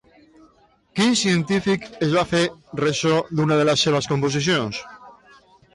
Quin científic es va fer ressò d'una de les seves composicions?